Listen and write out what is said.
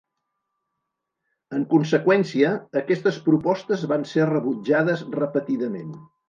En conseqüència, aquestes propostes van ser rebutjades repetidament.